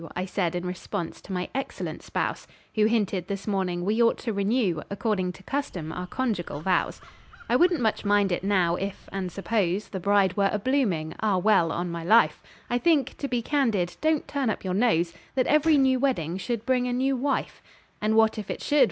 I said in response to my excellent spouse, Who hinted, this morning, we ought to renew According to custom, our conjugal vows. "I wouldn't much mind it, now—if—and suppose— The bride were a blooming—Ah! well—on my life, I think—to be candid—(don't turn up your nose!) That every new wedding should bring a new wife!" "And what if it should?"